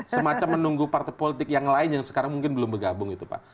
semacam menunggu partai politik yang lain yang sekarang mungkin belum bergabung itu pak